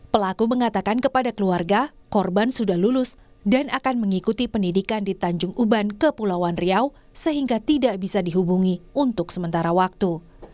pelaku mengatakan kepada keluarga korban sudah lulus dan akan mengikuti pendidikan di tanjung uban kepulauan riau sehingga tidak bisa dihubungi untuk sementara waktu